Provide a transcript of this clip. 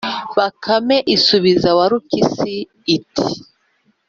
“Bakame isubiza Warupyisi iti: